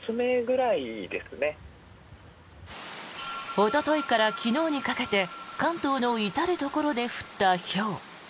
おとといから昨日にかけて関東の至るところで降ったひょう。